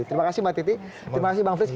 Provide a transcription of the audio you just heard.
terima kasih mbak titi terima kasih mbak fris